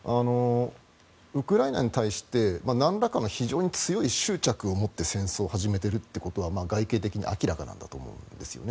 ウクライナに対してなんらかの非常に強い執着を持って戦争を始めているということは外形的に明らかなんだと思うんですね。